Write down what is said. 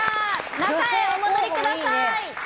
中へお戻りください。